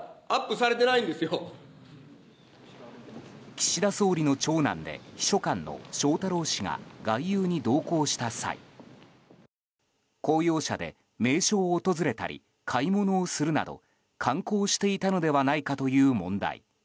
岸田総理の長男で秘書官の翔太郎氏が外遊に同行した際公用車で名所を訪れたり買い物をするなど観光していたのではないかという問題。